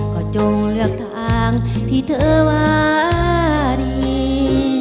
ก็จงเลือกทางที่เธอว่าดี